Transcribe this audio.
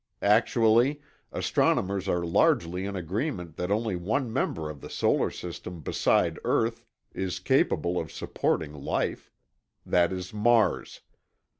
Actually, astronomers are largely in agreement that only one member of the solar system beside Earth is capable of supporting life. That is Mars.